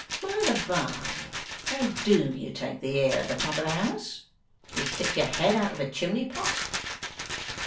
By the by how DO you take the air at the top of the house? Do you stick your head out of a chimney pot?